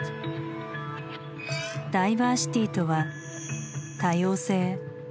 ダイバーシティとは「多様性」。